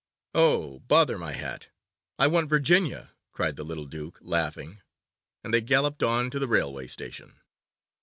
'Oh, bother my hat! I want Virginia!' cried the little Duke, laughing, and they galloped on to the railway station.